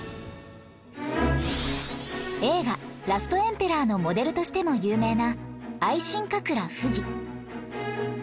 映画『ラストエンペラー』のモデルとしても有名な愛新覚羅溥儀